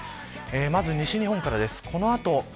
西日本からです。